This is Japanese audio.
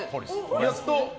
やっと。